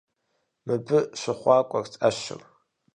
Мыбы щыхъуакӀуэрт Ӏэщыр.